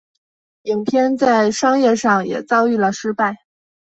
影片在商业上也遭遇了失败。